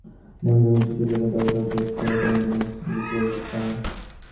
মন যখন চিঠি লেখার দরকার বোধ করে তখন চিঠি লিখলেই বিশ্রাম।